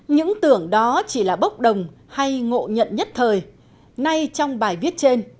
những tưởng đó chỉ là bốc đồng hay ngộ nhận nhất thời nay trong bài viết trên